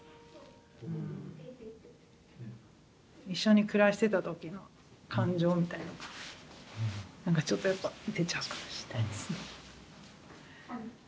一緒に暮らしてた時の感情みたいのがなんかちょっとやっぱ出ちゃうかもしれないですね。